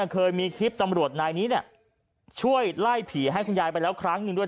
เคยมีคลิปตำรวจนายนี้ช่วยไล่ผีให้คุณยายไปแล้วครั้งหนึ่งด้วย